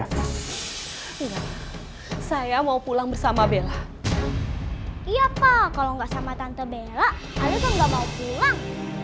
saya mau pulang bersama bella iya pak kalau nggak sama tante bella ayo kan nggak mau pulang